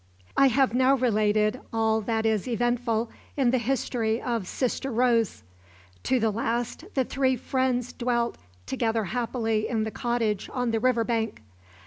I have now related all that is eventful in the history of SISTER ROSE. To the last the three friends dwelt together happily in the cottage on the river bank.